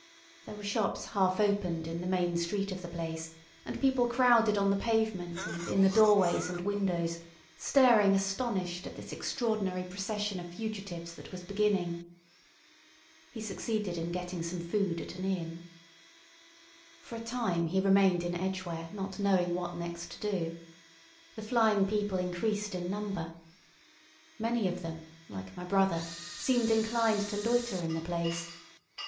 There were shops half opened in the main street of the place, and people crowded on the pavement and in the doorways and windows, staring astonished at this extraordinary procession of fugitives that was beginning. He succeeded in getting some food at an inn. For a time he remained in Edgware not knowing what next to do. The flying people increased in number. Many of them, like my brother, seemed inclined to loiter in the place.